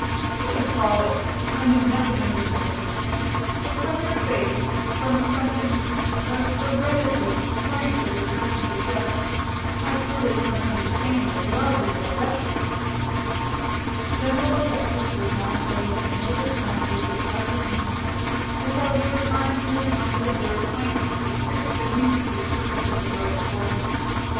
"That is folly. I know nothing of your nursing. But from your face, from a something, a serenity and strength that your presence suggests, I feel that you must understand and love your profession." General Alexis was now studying Mildred Thornton with surprising intentness, as though he were trying in this moment of their acquaintance to pierce beneath the surface of the girl before him.